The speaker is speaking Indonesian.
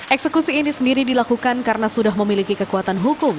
eksekusi ini sendiri dilakukan karena sudah memiliki kekuatan hukum